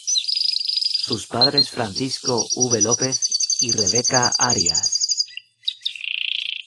Sus padres Francisco V. López y Rebeca Arias.